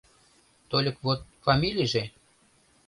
Тольык вот фамилийже...